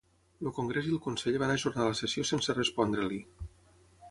El congrés i el Consell van ajornar la sessió sense respondre-li.